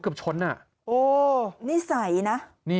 กลับชนน่ะ